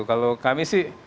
kalau kami sih